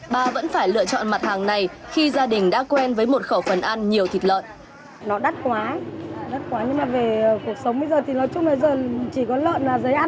bà vẫn phải lựa chọn mặt hàng này khi gia đình đã quen với một khẩu phần ăn nhiều thịt lợn